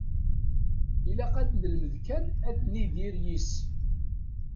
Ilaq ad nelmed kan ad nidir yis-s.